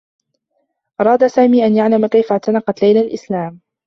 أراد سامي أن يعلم كيف اعتنقت ليلى الإسلام.